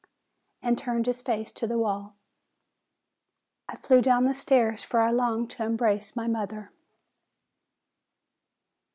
and turned his face to the wall. I flew down the stairs ; for I longed to embrace my mother.